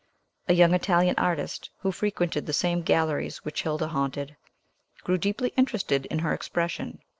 A young Italian artist, who frequented the same galleries which Hilda haunted, grew deeply interested in her expression.